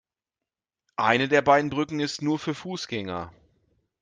Eine der beiden Brücken ist nur für Fußgänger.